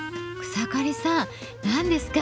草刈さん何ですか？